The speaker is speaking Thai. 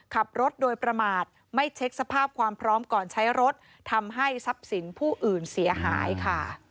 ขับรถโดยประมาทไม่เช็คสภาพความพร้อมก่อนใช้รถทำให้ทรัพย์สินผู้อื่นเสียหายค่ะ